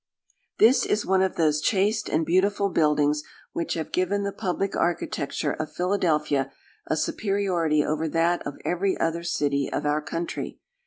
This is one of those chaste and beautiful buildings which have given the public architecture of Philadelphia a superiority over that of every other city of our country.